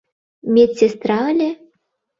Медсестра ыле.